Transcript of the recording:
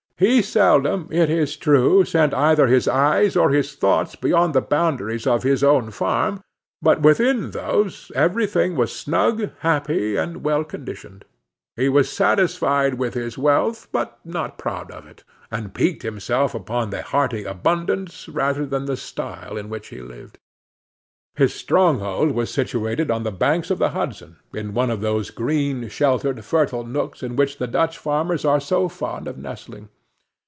He seldom, it is true, sent either his eyes or his thoughts beyond the boundaries of his own farm; but within those everything was snug, happy and well conditioned. He was satisfied with his wealth, but not proud of it; and piqued himself upon the hearty abundance, rather than the style in which he lived. His stronghold was situated on the banks of the Hudson, in one of those green, sheltered, fertile nooks in which the Dutch farmers are so fond of nestling.